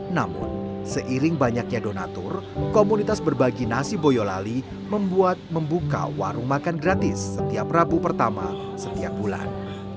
namun seiring banyaknya donatur komunitas berbagi nasi boyolali membuat membuka warung makan gratis setiap rabu pertama setiap bulan